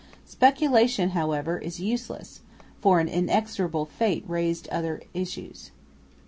Speculation however is useless, for an inexorable fate raised other issues.